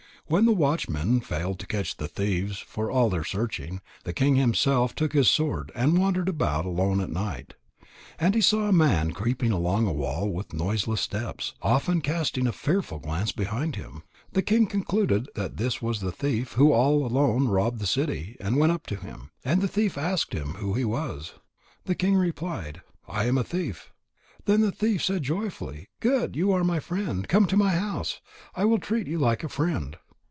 When the watchmen failed to catch the thieves for all their searching, the king himself took his sword, and wandered about alone at night. And he saw a man creeping along a wall with noiseless steps, often casting a fearful glance behind him. The king concluded that this was the thief who all alone robbed the city, and went up to him. And the thief asked him who he was. The king replied: "I am a thief." Then the thief said joyfully: "Good! You are my friend. Come to my house. I will treat you like a friend."